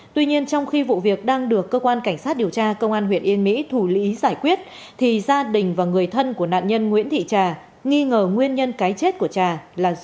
tuy nhiên trong khi vụ việc đang được cơ quan cảnh sát điều tra công an huyện yên mỹ thủ lý giải quyết thì gia đình và người thân của nạn nhân nguyễn thị trà nghi ngờ nguyên nhân cái chết của trà là do người